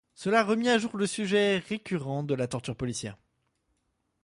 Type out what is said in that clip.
Cela remit à jour le sujet récurrent de la torture policière.